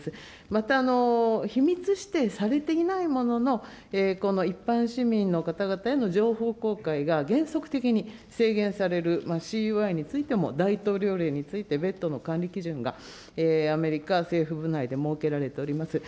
また、秘密指定されていないものの、この一般市民の方々への情報公開が原則的に制限されるＣＵＩについても大統領令についての別途の管理基準がアメリカ政府部内で設けられております。